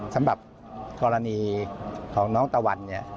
สำหรับกรณีของน้องตะวัน